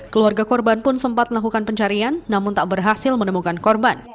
keluarga korban pun sempat melakukan pencarian namun tak berhasil menemukan korban